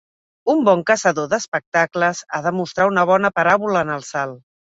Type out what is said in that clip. Un bon caçador d'espectacles ha de mostrar una bona paràbola en el salt.